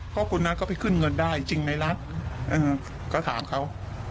เพราะคุณนัทก็ไปขึ้นเงินได้จริงในรัฐก็ถามเขา